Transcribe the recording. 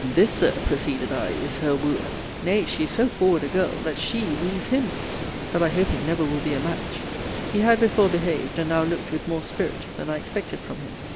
This, Sir, proceeded I, is her wooer! Nay, she is so forward a girl, that she wooes him: but I hope it never will be a match. He had before behaved, and now looked with more spirit than I expected from him.